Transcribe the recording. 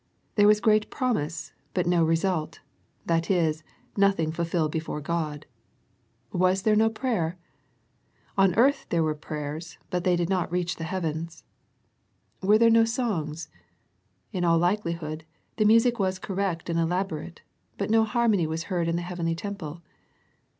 There was great promise, but no result, that is, nothing ^ fulfilled before God. Was there no prayer ? On earth there were prayers, but they did not reach the heavens. Were there no songs? In all likelihood, the music was correct and ' elaborate, but no harmony was heard in the heavenly temple.